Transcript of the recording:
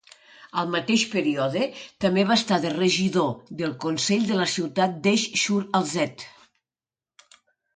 Al mateix període també va estar de regidor del consell de la ciutat d'Esch-sur-Alzette.